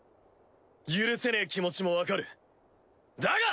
許せねえ気持ちもわかるだが！